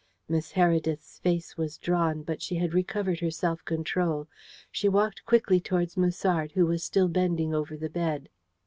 Miss Heredith's face was drawn, but she had recovered her self control. She walked quickly towards Musard, who was still bending over the bed.